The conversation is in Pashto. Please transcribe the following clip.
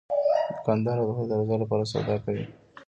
دوکاندار د خدای د رضا لپاره سودا کوي.